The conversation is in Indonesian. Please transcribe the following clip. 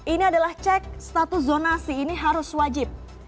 ini adalah cek status zonasi ini harus wajib